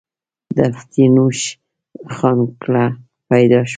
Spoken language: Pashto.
د افتينوش خان کره پيدا شو